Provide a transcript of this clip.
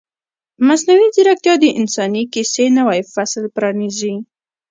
مصنوعي ځیرکتیا د انساني کیسې نوی فصل پرانیزي.